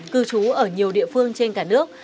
cư trú ở nhiều địa phương trên cả nước